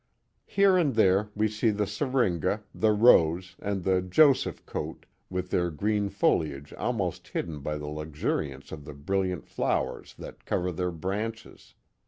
Here and there we see the syringa, the rose, and the Joseph coat, with their green foliage almost hidden by the luxuriance of the brilliant flowers that cover their branches.